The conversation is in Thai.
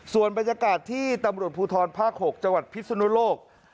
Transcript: ส่วนบรรยากาศที่ตรพูทรภ๖จังหวัดพิทธิ์สุดโลก